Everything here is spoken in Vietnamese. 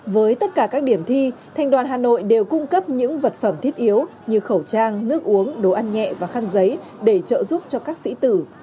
với tất cả các điểm thi thành đoàn hà nội đều cung cấp những vật phẩm thiết yếu như khẩu trang nước uống đồ ăn nhẹ và khăn giấy để trợ giúp cho các sĩ tử